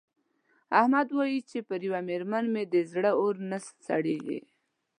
احمد وايې چې پر یوه مېرمن مې د زړه اور نه سړېږي.